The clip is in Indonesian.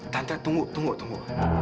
tante tunggu tunggu tunggu